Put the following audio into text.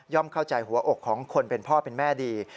เข้าใจหัวอกของคนเป็นพ่อเป็นแม่ดี